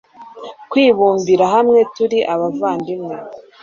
kwibumbira hamwe, turi abavandimwe